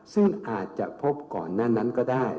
ซึ่งอาจจะพบก่อนหน้านั้นก็ได้